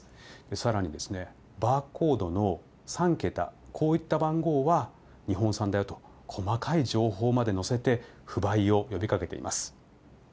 更に、バーコードの３桁こういった番号は日本産であると細かい情報まで載せて不買を呼び掛けています。